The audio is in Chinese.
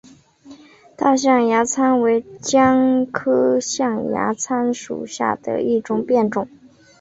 大象牙参为姜科象牙参属下的一个变种。